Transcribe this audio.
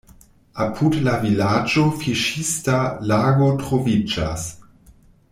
Apud la vilaĝo fiŝista lago troviĝas.